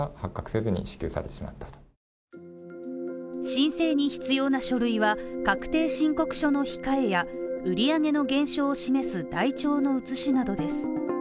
申請に必要な書類は、確定申告書の控えや売り上げの減少を示す台帳の写しなどです